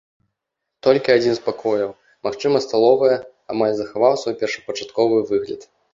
Толькі адзін з пакояў, магчыма сталовая, амаль захаваў свой першапачатковы выгляд.